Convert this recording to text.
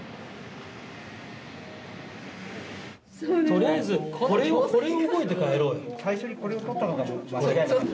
とりあえずこれを覚えて帰ろうよ。